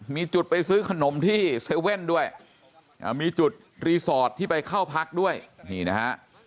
มีจุดไปซื้อขนมที่๗๑๑ด้วยมีจุดรีสอร์ทที่ไปเข้าพักด้วยนี่นะฮะ